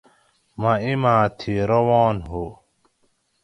مٞہ اِیماٞ تھی روان ہُو